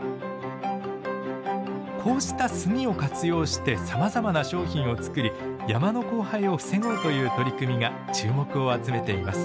こうした炭を活用してさまざまな商品を作り山の荒廃を防ごうという取り組みが注目を集めています。